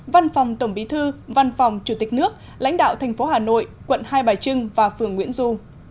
văn phòng tổng bí thư văn phòng chủ tịch nước lãnh đạo thành phố hà nội quận hai bài trưng và phường nguyễn du